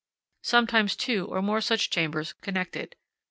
Sometimes two or more such chambers connected.